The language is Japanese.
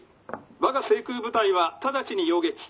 我が制空部隊は直ちに邀撃」。